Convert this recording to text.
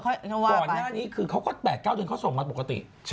ก่อนหน้านี้คือเขาก็๘๙เดือนเขาส่งมาปกติ